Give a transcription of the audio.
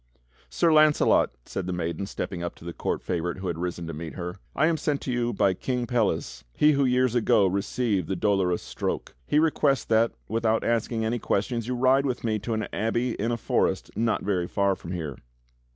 "Sir Launcelot," said the maiden, stepping up to the court favorite who had risen to meet her. "I am sent to you by King 107 108 THE STORY OF KING ARTHUR Pelles — he who years ago received the Dolorous Stroke. He requests that, without asking any questions, you ride wdth me to an abbey in a forest not very far from here."